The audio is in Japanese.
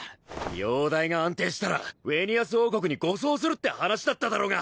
容体が安定したらウェニアス王国に護送するって話だっただろう